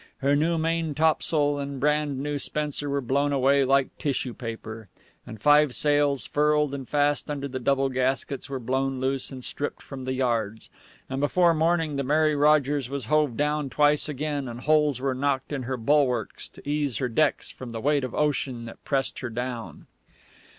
Her new main topsail and brand new spencer were blown away like tissue paper; and five sails, furled and fast under double gaskets, were blown loose and stripped from the yards. And before morning the Mary Rogers was hove down twice again, and holes were knocked in her bulwarks to ease her decks from the weight of ocean that pressed her down.